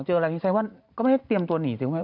เจออะไรที่ใส่ว่าก็ไม่ได้เตรียมตัวหนีเสียว่า